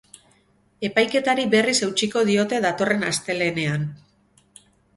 Epaiketari berriz eutsiko diote datorren astelehenean.